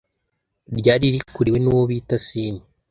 ryari rikuriwe nuwo bita Sean